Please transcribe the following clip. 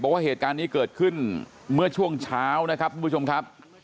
บอกว่าเหตุการณ์นี้เกิดขึ้นเมื่อช่วงเช้านะครับทุกผู้ชมครับ